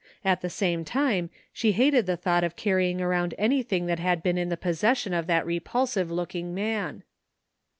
At the same time she hated the thought of carrying around anything that had been in the possession of that repulsive looking man.